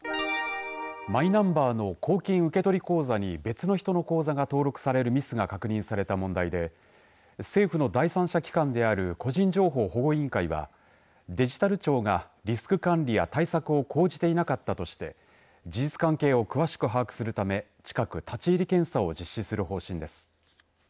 マイナンバーの公金受取口座に別の人の口座が登録されるミスが確認された問題で政府の第三者機関である個人情報保護委員会はデジタル庁がリスク管理や対策を講じていなかったとして事実関係を詳しく把握するため近く、立ち入り検査を実施する方針です。